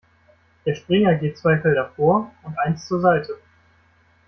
Der Springer geht zwei Felder vor und eins zur Seite.